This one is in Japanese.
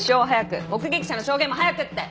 目撃者の証言も早くって！